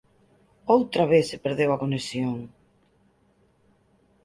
Outra vez se perdeu a conexión